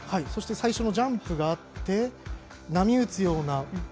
そして最初のジャンプがあって波打つような。